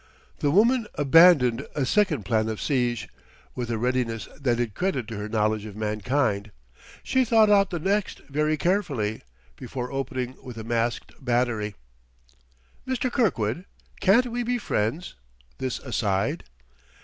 The woman abandoned a second plan of siege, with a readiness that did credit to her knowledge of mankind. She thought out the next very carefully, before opening with a masked battery. "Mr. Kirkwood, can't we be friends this aside?"